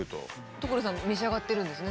所さん召し上がってるんですね